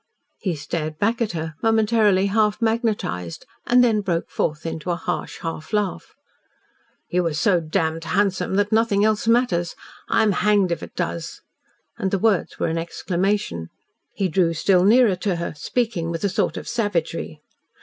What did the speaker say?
He stared back at her, momentarily half magnetised, and then broke forth into a harsh half laugh. "You are so damned handsome that nothing else matters. I'm hanged if it does!" and the words were an exclamation. He drew still nearer to her, speaking with a sort of savagery.